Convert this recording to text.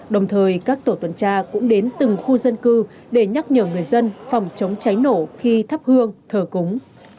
đồng thời các tổ tuần tra cũng đến từng khu dân cư để nhắc nhở người dân phòng chống cháy nổ khi thắp hương thờ cúng